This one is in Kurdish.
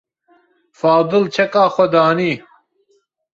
Fadil çeka xwe danî.